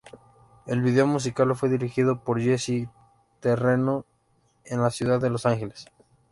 El video musical fue dirigido por Jessy Terrero en la ciudad de Los Ángeles.